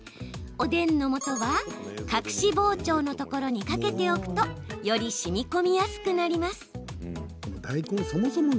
おでんのもとは隠し包丁のところにかけておくとより、しみこみやすくなります。